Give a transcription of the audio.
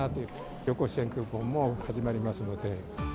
旅行支援クーポンも始まりますので。